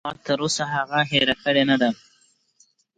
ما لاتر اوسه هغه هېره کړې نه ده.